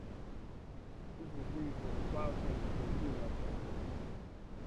This was used for file transfer and email services.